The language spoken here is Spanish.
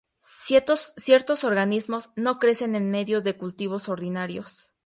Ciertos organismos no crecen en medios de cultivo ordinarios.